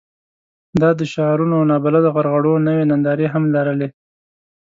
دا د شعارونو او نابلده غرغړو نوې نندارې هم لرلې.